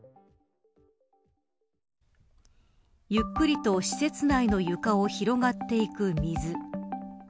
ゆっくりと施設内の床を広がっていく水。